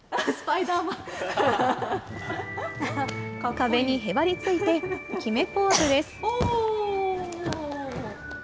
壁にへばりついて、キメポーズです。